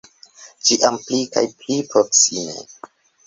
Ĉiam pli kaj pli proksime.